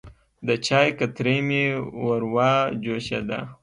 د چای کتری مې وروه جوشېده.